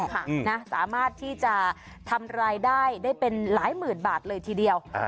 ตานออกมานี่ฟองฟอสเลย